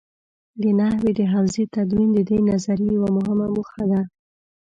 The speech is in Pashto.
د نحوې د حوزې تدوین د دې نظریې یوه مهمه موخه ده.